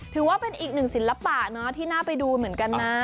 ถือว่าเป็นอีกหนึ่งศิลปะเนาะที่น่าไปดูเหมือนกันนะ